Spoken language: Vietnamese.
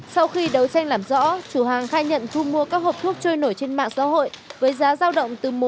sau khi đấu tranh làm rõ chủ hàng khai nhận thu mua các hộp thuốc trôi nổi trên mạng xã hội với giá giao động từ một trăm linh